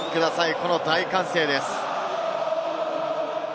この大歓声です。